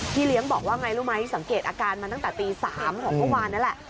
เลี้ยงบอกว่าไงรู้ไหมสังเกตอาการมาตั้งแต่ตี๓ของเมื่อวานนั่นแหละ